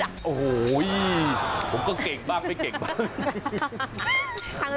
โอ้โหผมก็เก่งบ้างไม่เก่งบ้าง